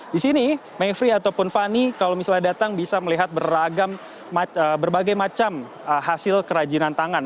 di sini mayfrey ataupun fani kalau misalnya datang bisa melihat berbagai macam hasil kerajinan tangan